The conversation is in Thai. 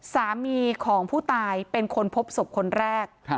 สามีของผู้ตายเป็นคนพบศพคนแรก